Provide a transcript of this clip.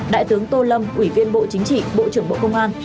đại tướng tô lâm ủy viên bộ chính trị bộ trưởng bộ công an